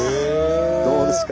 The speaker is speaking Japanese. どうですか？